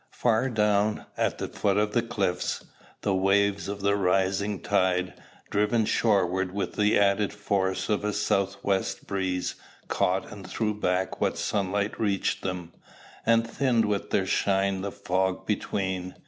Far down, at the foot of the cliffs, the waves of the rising tide, driven shore wards with the added force of a south west breeze, caught and threw back what sunlight reached them, and thinned with their shine the fog between.